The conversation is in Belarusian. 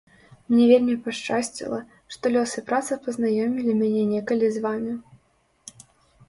Мне вельмі пашчасціла, што лёс і праца пазнаёмілі мяне некалі з вамі.